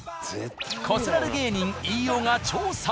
こすられ芸人飯尾が調査。